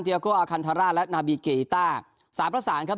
เดียโอโกอาคันทาราและนาบีเกยิตาสามภาษาครับ